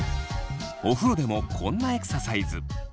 お風呂でもこんなエクササイズ。